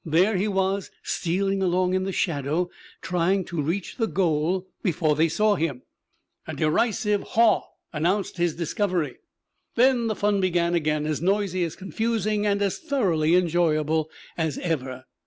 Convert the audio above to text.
There he was, stealing along in the shadow, trying to reach the goal before they saw him. A derisive haw announced his discovery. Then the fun began again, as noisy, as confusing, as thoroughly enjoyable as ever.